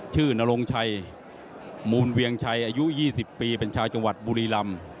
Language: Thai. นรงชัยมูลเวียงชัยอายุ๒๐ปีเป็นชาวจังหวัดบุรีลำ